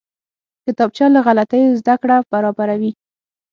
کتابچه له غلطیو زده کړه برابروي